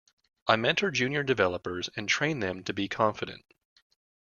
I mentor junior developers and train them to be confident.